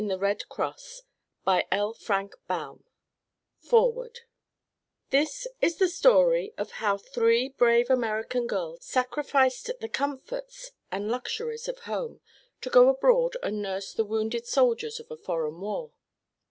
Chicago 1915 FOREWORD This is the story of how three brave American girls sacrificed the comforts and luxuries of home to go abroad and nurse the wounded soldiers of a foreign war.